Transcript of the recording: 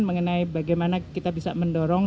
mengenai bagaimana kita bisa mendorong